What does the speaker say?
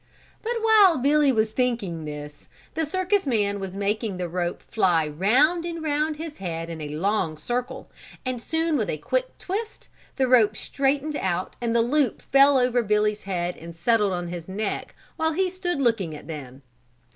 But while Billy was thinking this the circus man was making the rope fly round and round his head in a long circle, and soon with a quick twist, the rope straightened out and the loop fell over Billy's head and settled on his neck while he stood looking at them.